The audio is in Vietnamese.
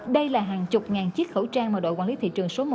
đây là hàng chục ngàn chiếc khẩu trang mà đội quản lý thị trường số một